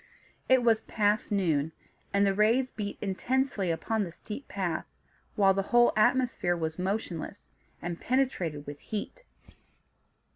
It was past noon, and the rays beat intensely upon the steep path, while the whole atmosphere was motionless, and penetrated with heat.